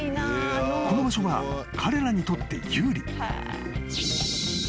［この場所は彼らにとって有利］